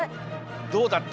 どうだった？